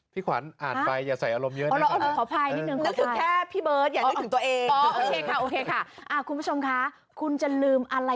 พี่ขวัญอ่านไปอย่าใส่อารมณ์เยอะนะครับโอเคค่ะ